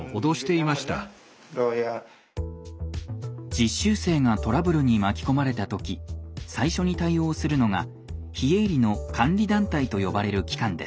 実習生がトラブルに巻き込まれた時最初に対応するのが非営利の監理団体と呼ばれる機関です。